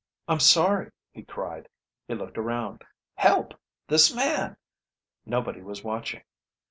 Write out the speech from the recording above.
"I'm sorry," he cried. He looked around. "Help! This man ..." Nobody was watching.